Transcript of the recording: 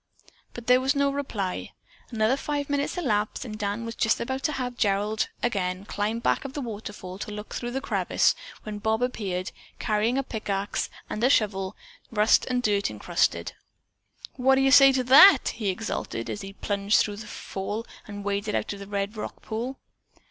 But there was no reply. Another five minutes elapsed and Dan was just about to have Gerald again climb back of the waterfall to look through the crevice, when Bob appeared, carrying a pickaxe and a shovel, rusted and dirt encrusted. "What do you say to that?" he exulted, as he plunged through the fall and waded out of the red rock pool.